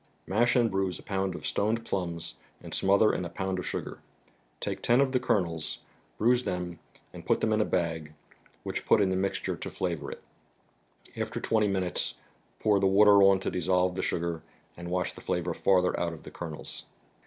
Mash and bruise a pound of stoned plums, and smother in a pound of sugar. Take ten of the kernels, bruise them and put them in a bag, which put in the mix¬ ture to flavor it. After twenty minutes pour the water on to dissolve the sugar and wash the flavor farther out of the kernels.